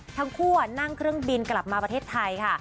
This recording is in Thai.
ทั้งคู่นั่งเครื่องบินกลับมาประเทศไทยค่ะ